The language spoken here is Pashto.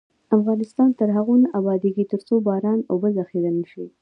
افغانستان تر هغو نه ابادیږي، ترڅو باران اوبه ذخیره نشي.